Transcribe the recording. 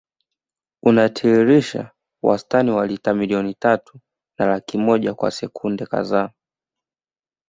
Unatiririsha wastani wa lita milioni tatu na laki moja kwa sekunde kadhaa